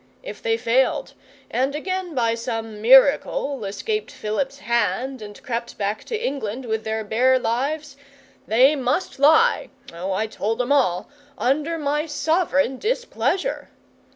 If they failed, and again by some miracle escaped Philip's hand, and crept back to England with their bare lives, they must lie oh, I told 'em all under my sovereign displeasure.